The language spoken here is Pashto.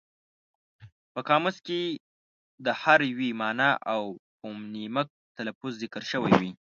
په قاموس کې د هر ویي مانا او فونیمک تلفظ ذکر شوی وي.